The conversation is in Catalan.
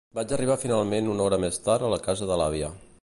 Vaig arribar finalment una hora més tard a la casa de l'àvia.